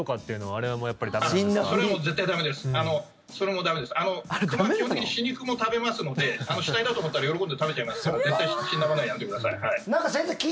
熊は基本的に死肉も食べますので死体だと思ったら喜んで食べちゃいますから絶対に死んだまねはやめてください。